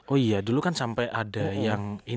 oh iya dulu kan sampai ada yang ini